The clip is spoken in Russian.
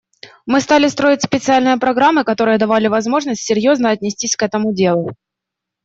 Мы стали строить специальные программы, которые давали возможность серьезно отнестись к этому делу.